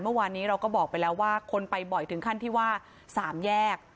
เมื่อวานนี้เราก็บอกไปแล้วว่าคนไปบ่อยถึงขั้นที่ว่า๓แยก